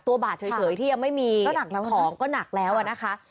ตัวบาทเฉยที่ยังไม่มีของก็หนักแล้วอะนะคะ